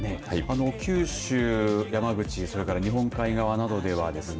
九州、山口それから日本海側などではですね